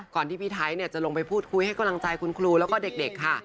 ที่พี่ไทยจะลงไปพูดคุยให้กำลังใจคุณครูแล้วก็เด็กค่ะ